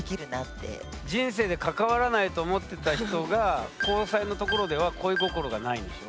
人生で関わらないと思ってた人が交際のところでは恋心がないんでしょ。